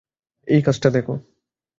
এই কাজটা দেখ।